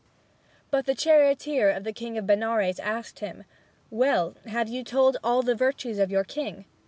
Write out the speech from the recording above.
But the charioteer of the king of Benares asked him, "Well, have you told all the virtues of your king?"